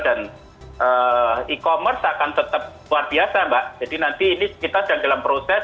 dan e commerce akan tetap luar biasa mbak jadi nanti ini kita sedang dalam proses